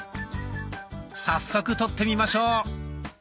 早速撮ってみましょう。